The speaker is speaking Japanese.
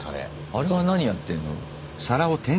あれは何やってんの？